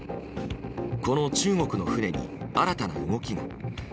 この中国の船に新たな動きが。